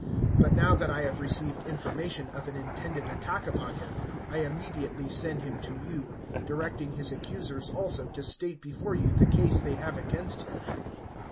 023:030 But now that I have received information of an intended attack upon him, I immediately send him to you, directing his accusers also to state before you the case they have against him."